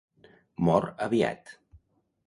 Mor aviat.